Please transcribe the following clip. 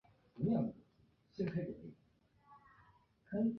父亲是荒川秀景。